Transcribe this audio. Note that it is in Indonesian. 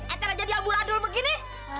eh ternyata diambul ambul begini